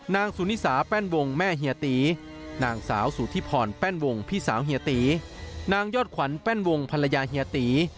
นางสุนิสาแป้นวงแม่เฮียตีนางสาวสุธิพรแป้นวงพี่สาวเฮียตีนางยอดขวัญแป้นวงภรรยาเฮียตี